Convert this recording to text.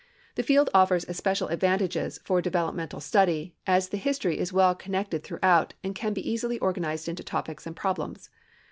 The field offers especial advantages for developmental study, as the history is well connected throughout, and can be easily organized into topics and problems.